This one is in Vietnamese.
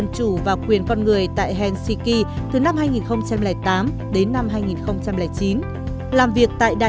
nếu bạn muốn giới thiệu về học sinh ở việt nam với các học sinh ở đây